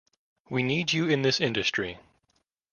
We need you in this industry.